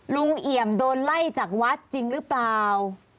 เอี่ยมโดนไล่จากวัดจริงหรือเปล่า